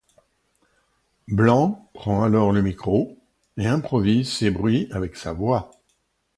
Blanc prend alors le micro et improvise ces bruits avec sa voix.